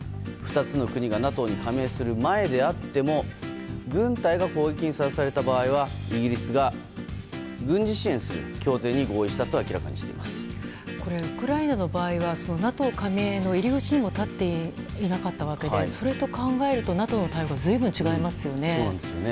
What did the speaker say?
２つの国がＮＡＴＯに加盟する前であっても軍隊が攻撃にさらされた場合はイギリスが軍事支援する協定に合意したとウクライナの場合はＮＡＴＯ加盟の入り口にも立っていなかったわけでそれを考えるとＮＡＴＯの対応は随分違いますよね。